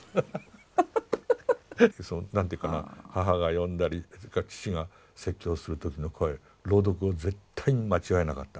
その何て言うかな母が読んだりそれから父が説教する時の声朗読を絶対に間違えなかった。